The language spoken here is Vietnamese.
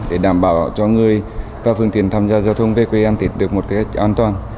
để đảm bảo cho người và phương tiện tham gia giao thông về quê an tết được một cách an toàn